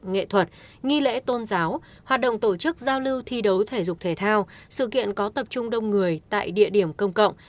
nghị lễ tôn giáo hoạt động tổ chức giao lưu thi đấu thể dục thể thao sự kiện có tập trung đông người tại địa điểm công cộng